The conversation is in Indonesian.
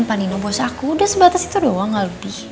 panino bos aku udah sebatas itu doang gak lebih